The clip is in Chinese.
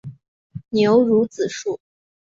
牛乳子树